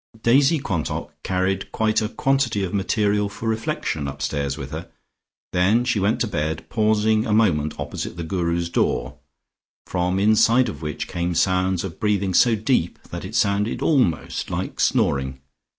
Daisy Quantock carried quite a quantity of material for reflection upstairs with her, then she went to bed, pausing a moment opposite the Guru's door, from inside of which came sounds of breathing so deep that it sounded almost like snoring.